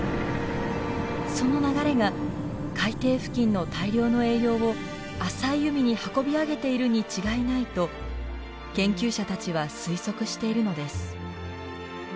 その流れが海底付近の大量の栄養を浅い海に運び上げているに違いないと研究者たちは推測しているのです。